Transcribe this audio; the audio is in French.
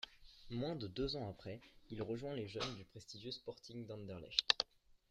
Moins de deux ans après, il rejoint les jeunes du prestigieux Sporting d'Anderlecht.